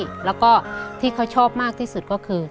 ช่วยพี่และก็ที่เค้าชอบมากที่สุดก็คือ